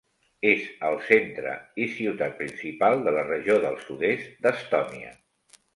És al centre i ciutat principal de la regió del sud-est d'Estònia.